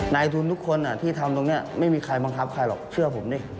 นายทุนทุกคนที่ทำตรงนี้ไม่มีใครบังคับใครหรอกเชื่อผมดิ